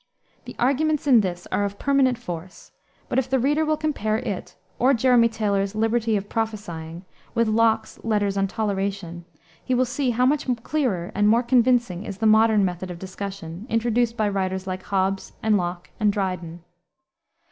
The arguments in this are of permanent force; but if the reader will compare it, or Jeremy Taylor's Liberty of Prophesying, with Locke's Letters on Toleration, he will see how much clearer and more convincing is the modern method of discussion, introduced by writers like Hobbes and Locke and Dryden.